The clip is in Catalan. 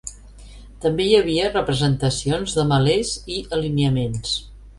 També hi havia representacions de melés i alineaments.